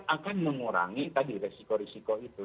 yang akan mengurangi tadi resiko resiko itu